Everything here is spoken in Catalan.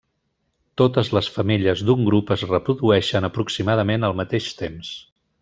Totes les femelles d'un grup es reprodueixen aproximadament al mateix temps.